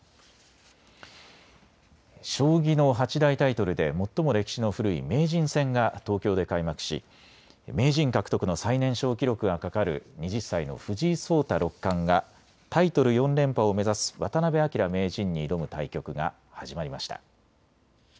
将棋の八大タイトルで最も歴史の古い名人戦が東京で開幕し名人獲得の最年少記録がかかる２０歳の藤井聡太六冠がタイトル４連覇を目指す渡辺明名人に挑む対局が始まりました。